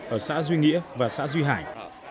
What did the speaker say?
ở xã duy nghĩa và xã duy hải